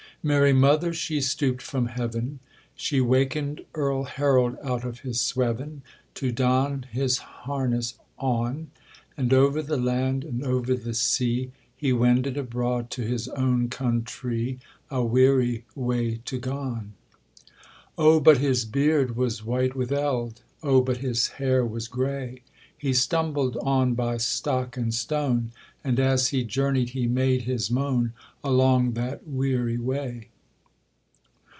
Mary Mother she stooped from heaven; She wakened Earl Harold out of his sweven, To don his harness on; And over the land and over the sea He wended abroad to his own countrie, A weary way to gon. Oh but his beard was white with eld, Oh but his hair was gray; He stumbled on by stock and stone, And as he journeyed he made his moan Along that weary way.